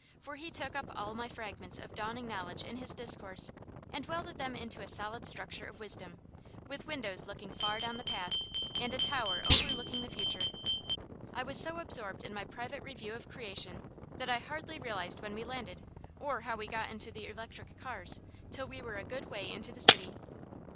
For he took up all my fragments of dawning knowledge in his discourse, and welded them into a solid structure of wisdom, with windows looking far down the past and a tower overlooking the future. I was so absorbed in my private review of creation that I hardly realized when we landed, or how we got into the electric cars, till we were a good way into the city.